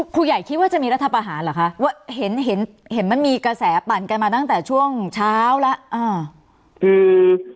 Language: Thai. ครูใหญ่คิดว่าจะมีรัฐประหารเหรอคะว่าเห็นมันมีกระแสปั่นกันมาตั้งแต่ช่วงเช้าแล้ว